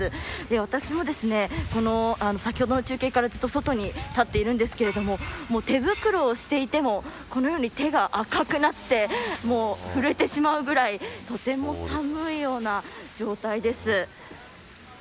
私も先ほどの中継からずっと外に立っているんですけど手袋をしていてもこのように手が赤くなって震えてしまうぐらいとても寒いような状態です。